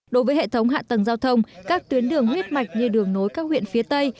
đối với hệ thống hạ tầng giao thông các tuyến đường huyết mạch như đường nối các huyện phía tây